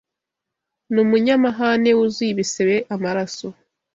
Numunyamahane, wuzuye ibisebe, amaraso